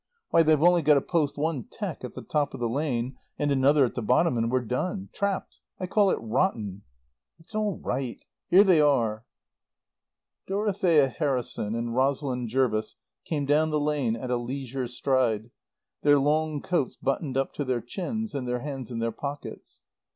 Why, they've only got to post one 'tee at the top of the lane, and another at the bottom, and we're done. Trapped. I call it rotten." "It's all right. Here they are." Dorothea Harrison and Rosalind Jervis came down the lane at a leisured stride, their long coats buttoned up to their chins and their hands in their pockets.